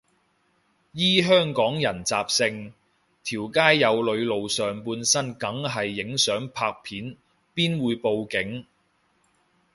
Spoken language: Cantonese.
依香港人習性，條街有女露上半身梗係影相拍片，邊會報警